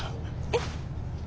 えっ？